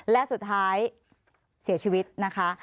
และสุดท้ายเสียชีวิตนะคะ